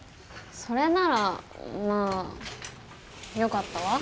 それならまあよかったわ。